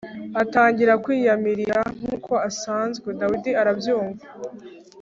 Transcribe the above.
atangira kwiyamirira nk’uko asanzwe. Dawidi arabyumva.